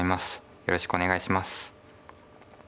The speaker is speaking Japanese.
よろしくお願いします。